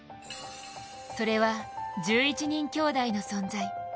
それは、１１人きょうだいの存在。